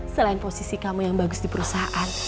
selain posisi kamu yang bagus di perusahaan